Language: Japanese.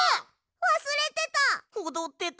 わすれてた！